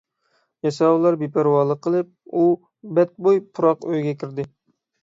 ياساۋۇللار بىپەرۋالىق قىلىپ، ئۇ بەتبۇي پۇراق ئۆيگە كىردى.